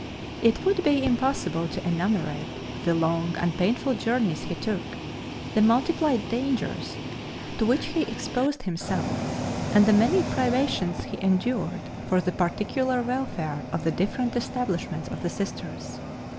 It would be impossible to enumerate the long and painful journeys he took, the multiplied dangers to which he exposed himself, and the many privations he endured for the particular welfare of the different establishments of the Sisters.